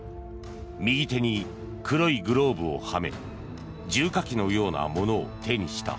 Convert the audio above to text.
右手に黒いグローブをはめ重火器のようなものを手にした。